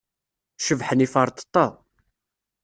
Cebḥen yiferṭeṭṭa.